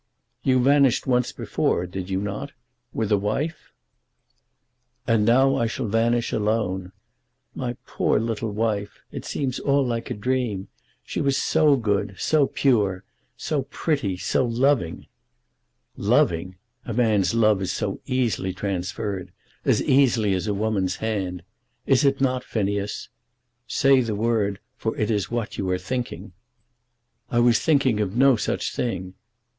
"You vanished once before, did you not, with a wife?" "And now I shall vanish alone. My poor little wife! It seems all like a dream. She was so good, so pure, so pretty, so loving!" "Loving! A man's love is so easily transferred; as easily as a woman's hand; is it not, Phineas? Say the word, for it is what you are thinking." "I was thinking of no such thing."